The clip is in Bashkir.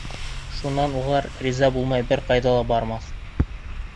Шунан улар риза булмай бер ҡайҙа ла бармаҫ!